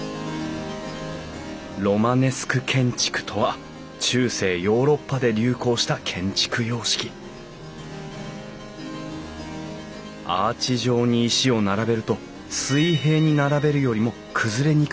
ロマネスク建築とは中世ヨーロッパで流行した建築様式アーチ状に石を並べると水平に並べるよりも崩れにくくなる。